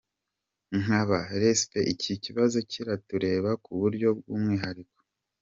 Nk’aba rescapés iki kibazo kiratureba ku buryo bw’umwihariko.